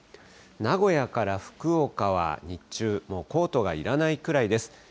名古屋から福岡は日中、もうコートがいらないくらいです。